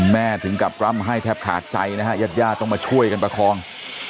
ถึงกับร่ำให้แทบขาดใจนะฮะญาติญาติต้องมาช่วยกันประคอง